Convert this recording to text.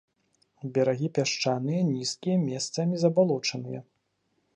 Берагі пясчаныя, нізкія, месцамі забалочаныя.